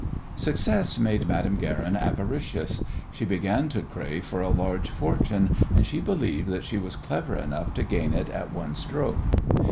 Success made Madame Guerin avaricious. She began to crave for a large fortune, and she believed that she was clever enough to gain it at one stroke.